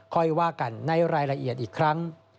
ค่อยว่ากันในรายละเอียดอีกครั้ง